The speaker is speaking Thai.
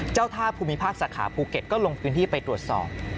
เจ้าท่าภูมิภาคสาขาภูเก็ตก็ลงพื้นที่ไปตรวจสอบ